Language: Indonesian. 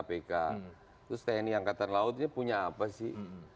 terus tni angkatan laut ini punya apa sih